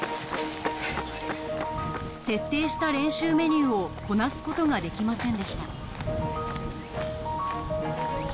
設定した練習メニューをこなすことができませんでした